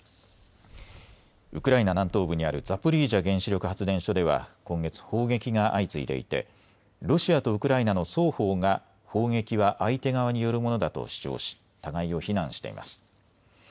ウクライナ南東部にあるザポリージャ原子力発電所では今月、砲撃が相次いでいてロシアとウクライナの双方が砲撃は相手側によるものだと主張し互いを非難しています。